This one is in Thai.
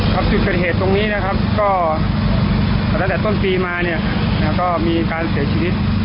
ครับจุดเกิดเหตุตรงนี้นะครับก็ตั้งแต่ต้นปีมาเนี่ยก็มีการเสียชีวิต